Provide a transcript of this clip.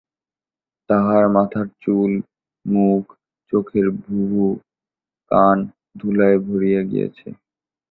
তাহার মাথার চুল, মুখ, চোখের ভুবু, কান ধুলায় ভরিয়া গিয়াছে।